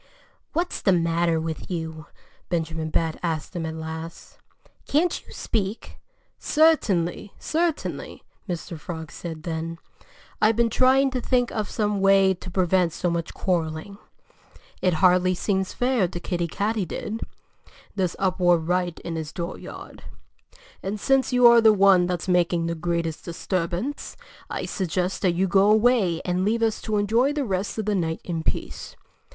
"What's the matter with you?" Benjamin Bat asked him at last. "Can't you speak?" "Certainly! Certainly!" Mr. Frog said then. "I've been trying to think of some way to prevent so much quarreling. It hardly seems fair to Kiddie Katydid this uproar right in his dooryard. And since you are the one that's making the greatest disturbance, I'd suggest that you go away and leave us to enjoy the rest of the night in peace."